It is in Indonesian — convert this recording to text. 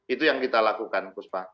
itu yang kita lakukan puspa